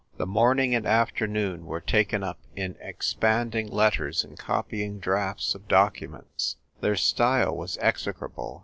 The morning and afternoon were taken up in ei'panding letters and copying drafts of documents. Their style was execrable.